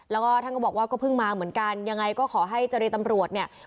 แล้วก็ท่านก็บอกว่าก็เพิ่งมาเหมือนกันยังไงก็ขอให้เจรตำรวจเนี่ย